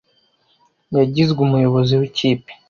Yagizwe umuyobozi w'ikipe.